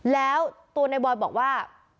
แล้วตัวในบอยบอกว่า